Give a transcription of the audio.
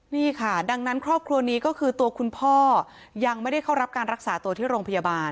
นี่ค่ะดังนั้นครอบครัวนี้ก็คือตัวคุณพ่อยังไม่ได้เข้ารับการรักษาตัวที่โรงพยาบาล